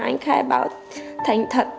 anh khai báo thành thật